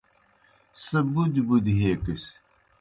سہ بُدیْ بُدیْ ہے کِس۔